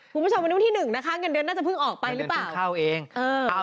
คุณผู้ชมวันนี้วันที่๑นะคะเงินเดือนน่าจะเพิ่งออกไปหรือเปล่า